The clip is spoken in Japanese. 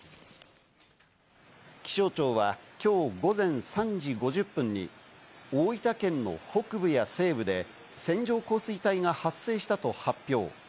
気象庁はきょう午前３時５０分に大分県の北部や西部で線状降水帯が発生したと発表。